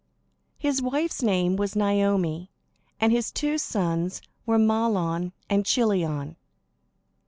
His wife's name was Naomi, and his two sons were Mahlon and Chilion.